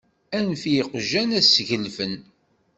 Anef i yeqjan ad ssgelfen.